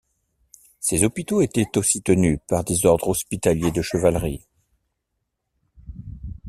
Ces hôpitaux étaient aussi tenus par des ordres hospitaliers de chevalerie.